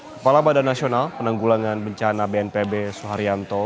kepala badan nasional penanggulangan bencana bnpb suharyanto